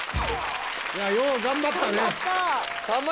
よう頑張ったね。